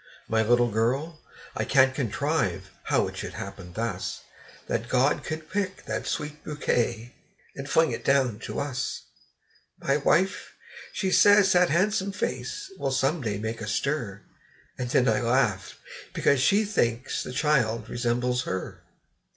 My little girl I can't contrive how it should happen thus That God could pick that sweet bouquet, and fling it down to us! My wife, she says that han'some face will some day make a stir; And then I laugh, because she thinks the child resembles her.